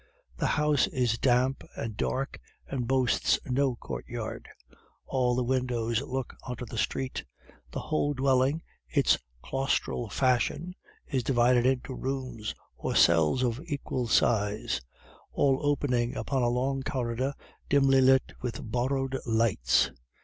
The house is damp and dark, and boasts no courtyard. All the windows look on the street; the whole dwelling, in claustral fashion, is divided into rooms or cells of equal size, all opening upon a long corridor dimly lit with borrowed lights.